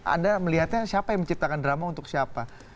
anda melihatnya siapa yang menciptakan drama untuk siapa